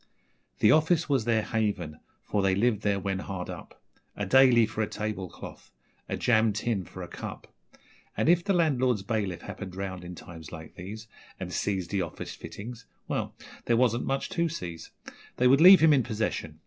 The office was their haven, for they lived there when hard up A 'daily' for a table cloth a jam tin for a cup; And if the landlord's bailiff happened round in times like these And seized the office fittings well, there wasn't much to seize They would leave him in possession.